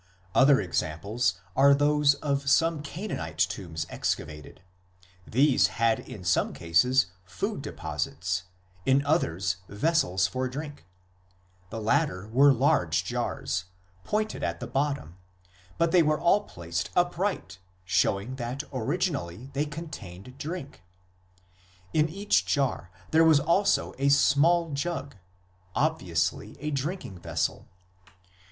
Other examples are those of some Canaanite tombs exca vated ; these had in some cases food deposits, in others vessels for drink ; the latter were large jars, pointed at the bottom, but they were all placed upright showing that originally they contained drink ; in each jar there was also a small jug, obviously a drinking vessel.